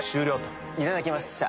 これはいただきました。